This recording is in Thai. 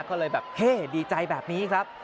ก็เลยแบบเฮ่ดีใจแบบนี้ครับ